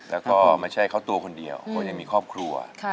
แล้วก็ไม่ใช่เขาตัวคนเดียวเขายังมีครอบครัว